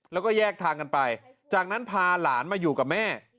แล้วก็แยกทางกันไปจากนั้นพาหลานมาอยู่กับแม่